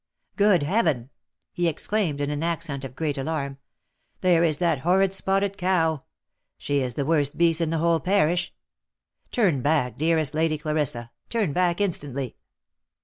" Good heaven !" he exclaimed in an accent of great alarm. —" There is that horrid spotted cow ! she is the worst beast in the whole parish. Turn back, dearest Lady Clarissa ! turn back instantly."